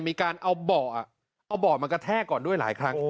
มีการเอาเบาะเอาเบาะมากระแทกก่อนด้วยหลายครั้ง